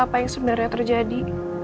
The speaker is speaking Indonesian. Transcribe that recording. apa yang sebenarnya terjadi